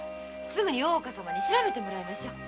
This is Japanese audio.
すぐ大岡様に調べてもらいましょう。